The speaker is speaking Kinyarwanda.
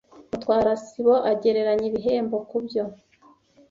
Mutwara sibo agereranya ibihembo kubyo.